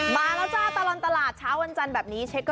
มาแล้วจ้าตลอดตลาดเช้าวันจันทร์แบบนี้